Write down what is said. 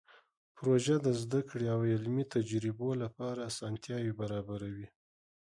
پروژه د زده کړې او علمي تجربو لپاره اسانتیاوې برابروي.